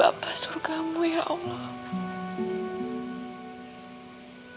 lohk kalau kamu kalau gak mau nikahin kakak seriously